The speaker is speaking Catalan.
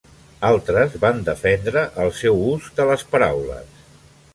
Altres van defendre el seu ús de les paraules.